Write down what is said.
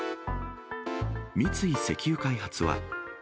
三井石油開発は。